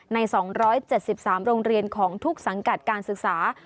ใน๒๗๓โรงเรียนของทุกสังกัดการศึกษา